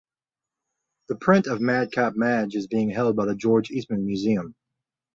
The print of "Madcap Madge" is held by the George Eastman Museum.